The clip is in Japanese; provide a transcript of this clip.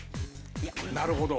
なるほど。